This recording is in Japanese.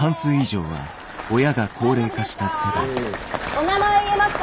お名前言えますか？